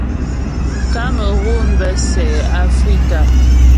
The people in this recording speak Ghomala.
Kamerun bə́ sɛ Afrika.